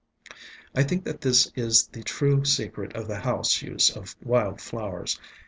I think that this is the true secret of the house use of wild flowers.